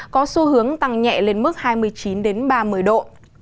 có xu hướng tăng nhẹ lên mức hai mươi chín ba mươi độ